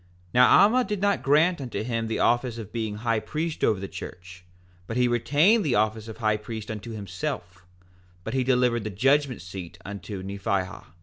4:18 Now Alma did not grant unto him the office of being high priest over the church, but he retained the office of high priest unto himself; but he delivered the judgment seat unto Nephihah.